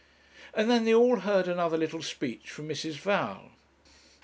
And then they all heard another little speech from Mrs. Val.